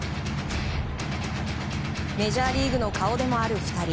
メジャーリーグの顔でもある２人。